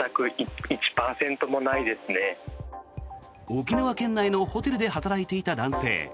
沖縄県内のホテルで働いていた男性。